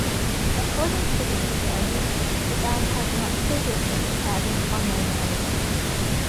According to this story, the band had not previously decided on a name.